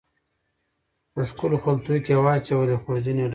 په ښکلو خلطو کې واچولې، خورجین یې ډکه کړه